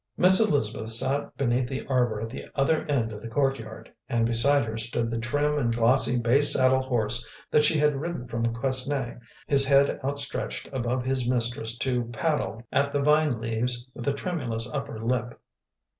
Miss Elizabeth sat beneath the arbour at the other end of the courtyard, and beside her stood the trim and glossy bay saddle horse that she had ridden from Quesnay, his head outstretched above his mistress to paddle at the vine leaves with a tremulous upper lip.